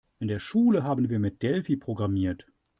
In der Schule haben wir mit Delphi programmiert.